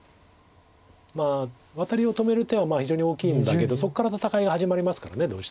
ワタリを止める手は非常に大きいんだけどそこから戦いが始まりますからどうしても。